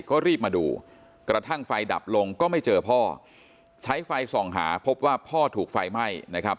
ก็รีบมาดูกระทั่งไฟดับลงก็ไม่เจอพ่อใช้ไฟส่องหาพบว่าพ่อถูกไฟไหม้นะครับ